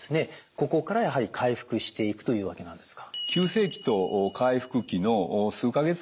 ここからやはり回復していくというわけなんですか？